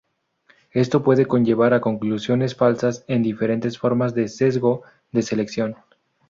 Esto puede conllevar a conclusiones falsas en diferentes formas de sesgo de selección.